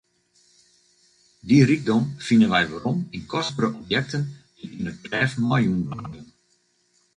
Dy rykdom fine wy werom yn kostbere objekten dy't yn it grêf meijûn waarden.